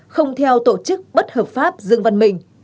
không theo tổ chức bất hợp pháp dương văn mình